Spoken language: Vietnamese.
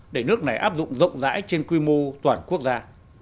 để nước này áp dụng rộng rãi trên quy mô toàn quốc gia